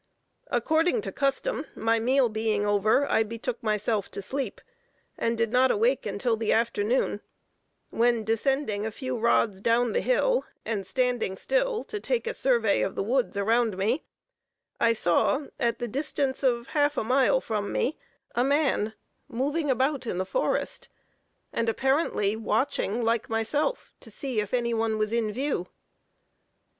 According to custom my meal being over, I betook myself to sleep, and did not awake until the afternoon; when descending a few rods down the hill, and standing still to take a survey of the woods around me, I saw, at the distance of half a mile from me, a man moving slowly about in the forest, and apparently watching, like myself, to see if any one was in view.